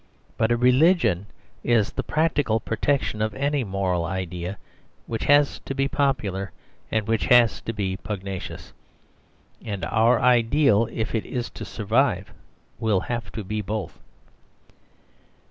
But a religion is the practical protection of any moral idea which has to be popular and which has to be pugnacious. And our ideal, if it is to survive, will have to be both.